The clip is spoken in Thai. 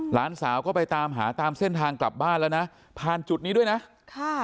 หลานสาวก็ไปตามหาตามเส้นทางกลับบ้านแล้วนะผ่านจุดนี้ด้วยนะค่ะ